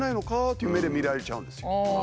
っていう目で見られちゃうんですよ。